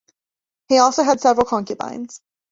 He also had several concubines.